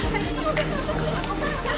お母さん！